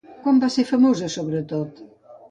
Quan va ser famosa sobretot?